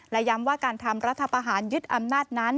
และย้ำว่าการทำรัฐประหารยึดอำนาจนั้น